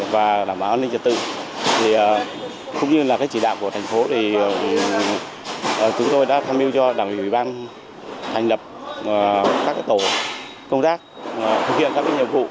và đảm bảo an ninh trật tự cũng như là chỉ đạo của thành phố thì chúng tôi đã tham mưu cho đảng ủy ban thành lập các tổ công tác thực hiện các nhiệm vụ